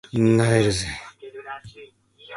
萎えるぜ